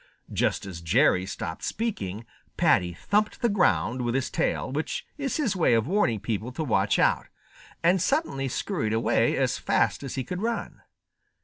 Just as Jerry stopped speaking, Paddy thumped the ground with his tail, which is his way of warning people to watch out, and suddenly scurried away as fast as he could run.